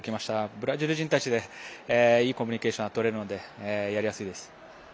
ブラジル人たちでいいコミュニケーションがとれるので、やりやすいです。